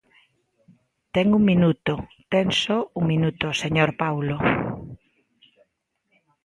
Ten un minuto, ten só un minuto, señor Paulo.